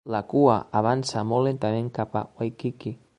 La cua avança molt lentament cap a Waikiki.